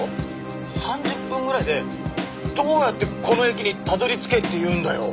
３０分ぐらいでどうやってこの駅にたどり着けっていうんだよ？